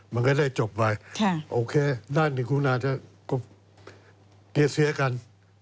มันก็ได้จบไปโอเคด้านหนึ่งคุณาจะเกษเซียกัน